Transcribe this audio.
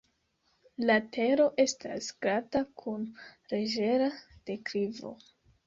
La tero estas glata kun leĝera deklivo.